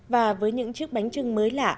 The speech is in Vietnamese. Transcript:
và với những chiếc bánh trưng mới lạ